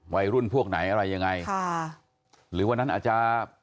วัยรุ่นพวกไหนอะไรยังไงค่ะหรือวันนั้นอาจจะ